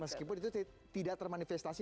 meskipun itu tidak termanifestasi